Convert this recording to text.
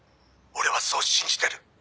「俺はそう信じてる」